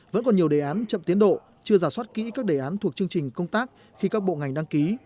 vẫn còn nhiều đề án chậm tiến độ chưa giả soát kỹ các đề án thuộc chương trình công tác khi các bộ ngành đăng ký